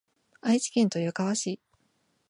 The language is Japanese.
愛知県豊川市